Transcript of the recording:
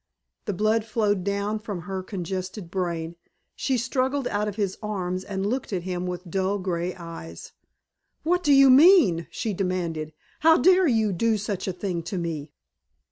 The blood flowed down from her congested brain. She struggled out of his arms and looked at him with dull angry eyes. "What do you mean?" she demanded. "How dared you do such a thing to me?"